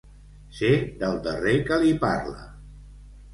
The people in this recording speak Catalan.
Ser del darrer que li parla.